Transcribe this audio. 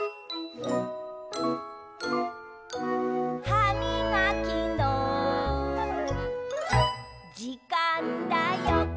「はみがきのじかんだよ！」